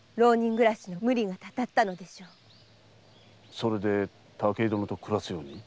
それで武井殿と暮らすように？